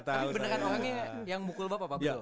tapi pendekat orangnya yang mukul bapak